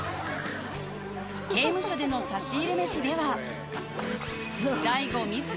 刑務所での差し入れ飯ではおう。